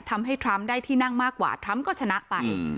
ทรัมป์ได้ที่นั่งมากกว่าทรัมป์ก็ชนะไป